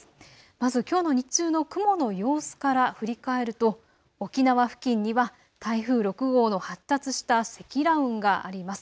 まずきょうの日中の雲の様子から振り返ると沖縄付近には台風６号の発達した積乱雲があります。